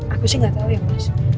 aku sih gak tau ya mas